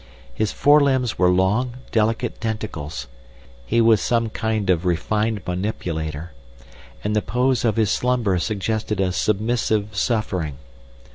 His fore limbs were long, delicate tentacles—he was some kind of refined manipulator—and the pose of his slumber suggested a submissive suffering.